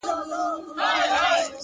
ماجبیني د مهدي حسن آهنګ یم؛